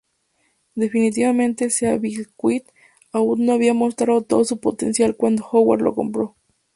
Definitivamente, Seabiscuit aún no había mostrado todo su potencial cuando Howard lo compró.